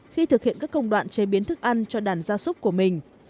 khi thực hiện các công đoạn chế biến thức ăn cho đàn gia súc của mình